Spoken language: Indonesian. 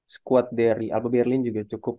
squad dari alba berlin juga cukup